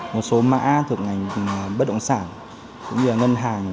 một số mã thuộc ngành bất động sản cũng như là ngân hàng